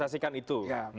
ya menempatkan itu